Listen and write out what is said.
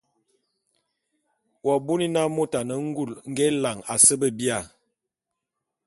W'abuni na môt a ne ngul nge élan à se be bia?